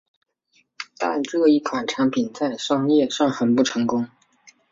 但这一款产品在商业上很不成功。